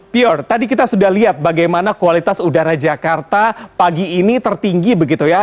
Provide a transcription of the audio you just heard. pior tadi kita sudah lihat bagaimana kualitas udara jakarta pagi ini tertinggi begitu ya